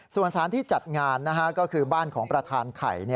ส่วนสารที่จัดงานก็คือบ้านของประธานไข่